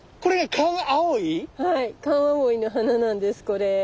カンアオイの花なんですこれ。